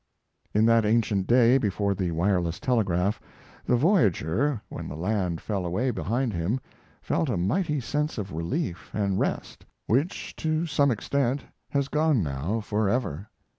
In that ancient day, before the wireless telegraph, the voyager, when the land fell away behind him, felt a mighty sense of relief and rest, which to some extent has gone now forever.